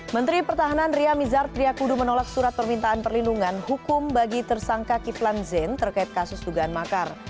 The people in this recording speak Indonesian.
menteri pertahanan ria mizar triakudu menolak surat permintaan perlindungan hukum bagi tersangka kiflan zain terkait kasus dugaan makar